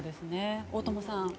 大友さん。